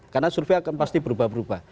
karena survei akan pasti berubah berubah